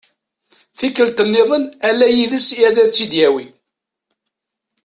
Tikkelt-nniḍen ala yid-s i ad tt-id-yettawi.